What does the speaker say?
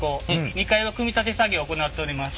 ２階は組み立て作業を行っております。